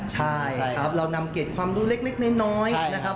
ใช่ครับเรานำเกร็ดความรู้เล็กน้อยนะครับ